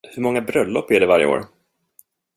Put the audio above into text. Hur många bröllop är det varje år?